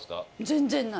全然ない。